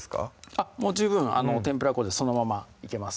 あっもう十分天ぷら粉でそのままいけます